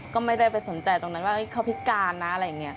ก็ไม่ได้ไปสนใจตรงนั้นว่าเขาพิการนะอะไรอย่างนี้